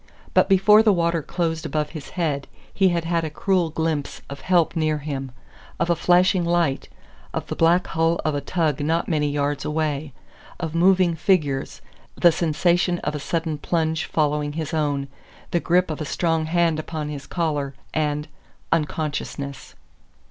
But before the water closed above his head he had had a cruel glimpse of help near him; of a flashing light of the black hull of a tug not many yards away of moving figures the sensation of a sudden plunge following his own, the grip of a strong hand upon his collar, and unconsciousness!